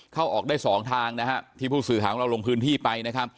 เข้าออกได้๒ทางที่ผู้สื่อข่าวความรับลงพื้นที่ไป